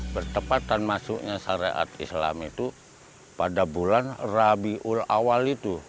bertepatan masuknya syariat islam itu pada bulan rabiul awal itu